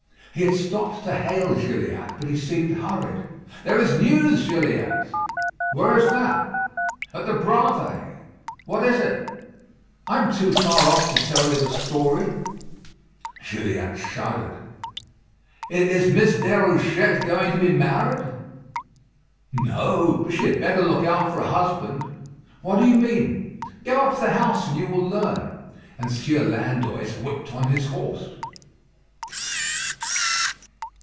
He had stopped to hail Gilliatt, but he seemed hurried. "There is news, Gilliatt." "Where is that?" "At the Bravées." "What is it?" "I am too far off to tell you the story." Gilliatt shuddered. "Is Miss Déruchette going to be married?" "No; but she had better look out for a husband." "What do you mean?" "Go up to the house, and you will learn." And Sieur Landoys whipped on his horse.